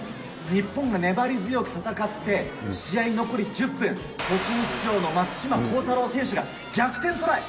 日本が粘り強く戦って、試合残り１０分、途中出場の松島幸太朗選手が逆転トライ。